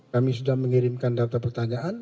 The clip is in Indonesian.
kami sudah mengirimkan data pertanyaan